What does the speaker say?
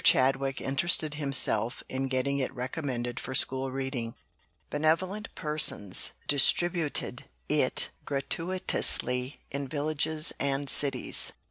Chadwick interested himself in getting it recommended for school reading. Benevolent persons distributed it gratuitously in villages and cities.